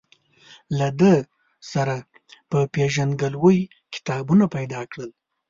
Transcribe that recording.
له ده سره په پېژندګلوۍ کتابونه پیدا کړل.